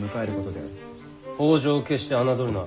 北条を決して侮るな。